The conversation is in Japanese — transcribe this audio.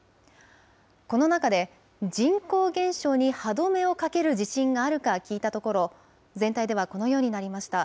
この中で、人口減少に歯止めをかける自信があるか聞いたところ、全体ではこのようになりました。